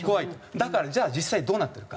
だからじゃあ実際はどうなってるか。